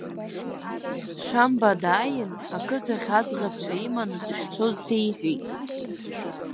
Шамбадааин, ақыҭахь аӡӷабцәа иманы дышцоз сеиҳәеит.